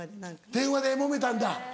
電話でもめたんだ？